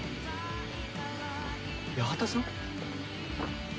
八幡さん？